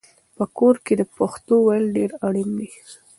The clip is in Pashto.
په کور کې د پښتو ویل ډېر اړین دي.